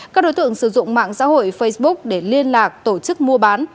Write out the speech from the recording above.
các đối tượng sử dụng mạng xã hội facebook để liên lạc tổ chức mua bán